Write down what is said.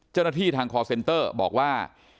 เจ้าหน้าที่ทางคอร์เซ็นเตอร์บอกว่า